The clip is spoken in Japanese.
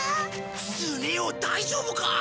スネ夫大丈夫か？